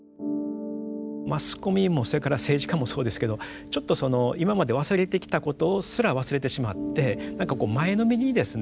マスコミもそれから政治家もそうですけどちょっとその今まで忘れてきたことすら忘れてしまって何かこう前のめりにですね